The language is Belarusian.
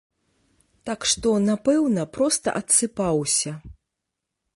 Так што напэўна, проста адсыпаўся.